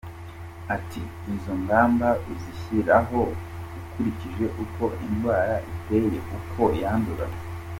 Ati” Izo ngamba uzishyiraho ukurikije uko indwara iteye, uko yandura.